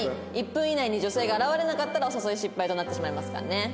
１分以内に女性が現れなかったらお誘い失敗となってしまいますからね。